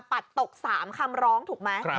ปัดตก๓คำร้องถูกไหม